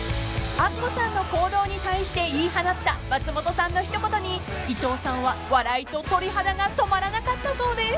［アッコさんの行動に対して言い放った松本さんの一言に伊藤さんは笑いと鳥肌が止まらなかったそうです］